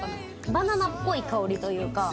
バナナっぽい香りというか。